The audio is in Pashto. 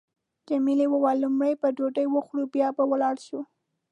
جميلې وويل: لومړی به ډوډۍ وخورو بیا به ولاړ شو.